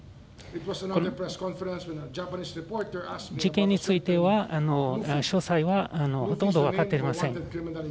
事件については詳細はほとんど分かっていません。